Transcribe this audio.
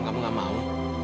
kamu gak mau